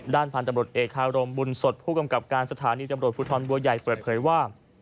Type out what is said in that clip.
ด้านพันธุ์ตำรวจเอกคารมบุญสดผู้กำกับการสถานีตำรวจภูทรบัวใหญ่เปิดเผยว่า